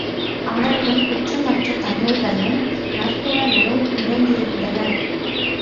அவனிடம் குற்றமற்ற தன்மைகளும், நற்குணங்களும் நிறைந்திருந்தன.